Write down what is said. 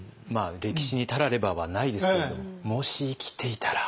歴史に「たられば」はないですけれどもし生きていたら。